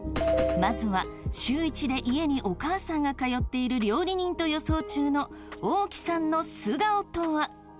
まずは週１で家にお母さんが通っている料理人と予想中のおおきさんの素顔とは。